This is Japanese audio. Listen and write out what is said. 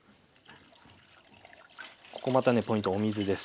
ここまたねポイントお水です。